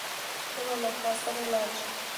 زه به له تا سره لاړ شم.